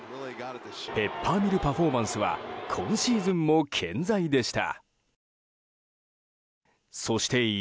ペッパーミルパフォーマンスは今シーズンも健在でした。